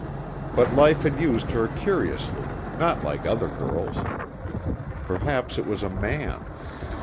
But life had used her curiously, not like other girls. Perhaps it was a man.